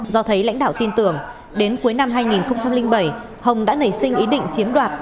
do thấy lãnh đạo tin tưởng đến cuối năm hai nghìn bảy hồng đã nảy sinh ý định chiếm đoạt